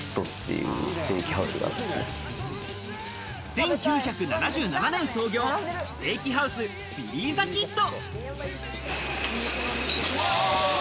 １９７７年創業、ステーキハウスビリー・ザ・キッド。